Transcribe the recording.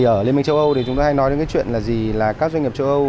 ở liên minh châu âu chúng ta hay nói đến chuyện là các doanh nghiệp châu âu